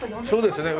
そうですね。